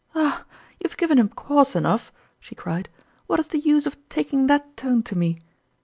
" Ah ! you have given him cause enough !" she cried. "What is the use of taking that tone to me